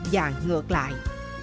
và ngược lại